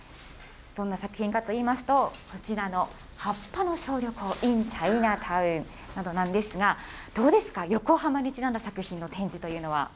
どんな作品かといいますと、こちらの葉っぱの小旅行ｉｎチャイナタウンなどなんですが、どうですか、横浜にちなんだ作品の展示というのは。